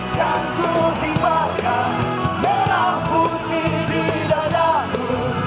dan ku kibarkan merahmu di dandaku